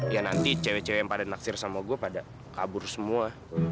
ya nanti cewek cewek yang pada naksir sama gue pada kabur semua